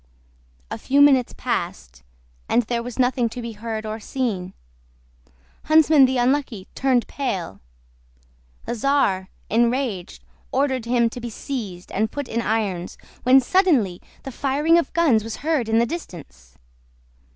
A few minutes passed, and there was nothing to be heard or seen. Huntsman the Unlucky turned pale; the czar, enraged, ordered him to be seized and put in irons, when suddenly the firing of guns was heard in the distance.